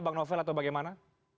bang novel atau bagaimana